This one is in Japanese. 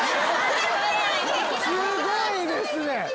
すごいですね。